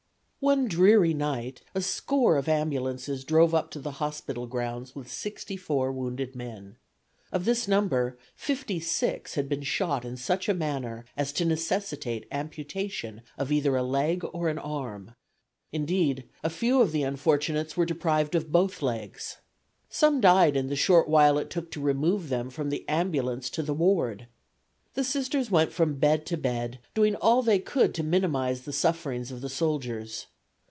One dreary night a score of ambulances drove up to the hospital grounds with sixty four wounded men. Of this number fifty six had been shot in such a manner as to necessitate amputation of either a leg or an arm. Indeed, a few of the unfortunates were deprived of both legs. Some died in the short while it took to remove them from the ambulance to the ward. The Sisters went from bed to bed doing all they could to minimize the sufferings of the soldiers.